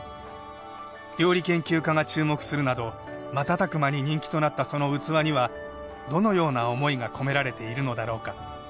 料理研究家が注目するなど瞬く間に人気となったその器にはどのような思いが込められているのだろうか？